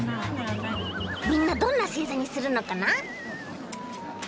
みんなどんなせいざにするのかな？